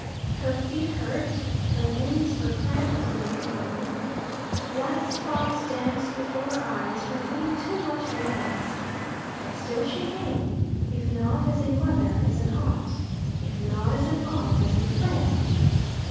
Her feet hurt, her limbs were cramped in a canoe, black spots danced before her eyes from eating too much mayonnaise. But still she came, if not as a mother as an aunt, if not as an aunt as a friend.